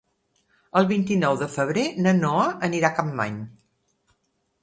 El vint-i-nou de febrer na Noa anirà a Capmany.